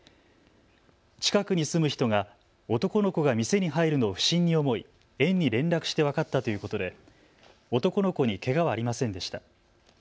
近くに住む人が男の子が店に入るのを不審に思い、園に連絡して分かったということで男の子にけがはありませんでした。